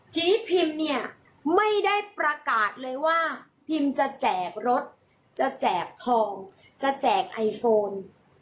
ทีนี้พิมเนี่ยไม่ได้ประกาศเลยว่าพิมจะแจกรถจะแจกทองจะแจกไอโฟน